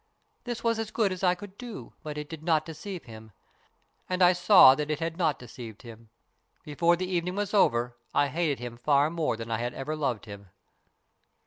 This was as good as I could do, but it did not deceive him, and I saw that it had not deceived him. Before the evening was over I hated him far more than I had ever loved him.